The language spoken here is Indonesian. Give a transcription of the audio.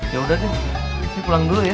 ya udah deh isi pulang dulu ya